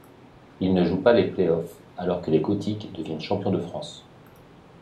Il ne joue pas les play-offs alors que les Gothiques deviennent champions de France.